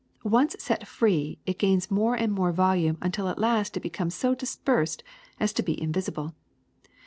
Once set free, it gains more and more volume until at last it becomes so dispersed as to be invisible.